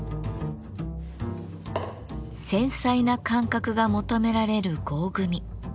繊細な感覚が求められる合組。